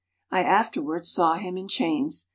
I afterwards saw him in chains.